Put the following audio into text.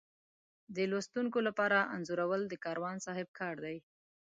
د لوستونکي لپاره انځورول د کاروان صاحب کار دی.